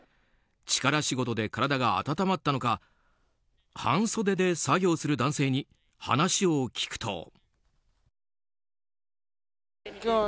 力仕事で体が温まったのか半袖で作業する男性に話を聞くと。